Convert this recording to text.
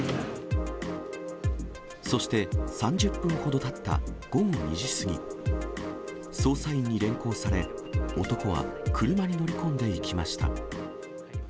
そして３０分ほどたった午後２時過ぎ、捜査員に連行され、男は車に乗り込んでいきました。